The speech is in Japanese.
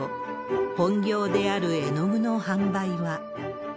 本業である絵の具の販売は。